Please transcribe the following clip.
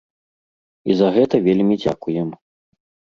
І за гэта вельмі дзякуем!